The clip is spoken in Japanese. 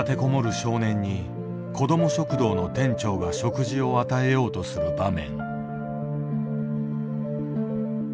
少年に子ども食堂の店長が食事を与えようとする場面。